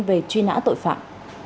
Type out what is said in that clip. về truy nã tội phạm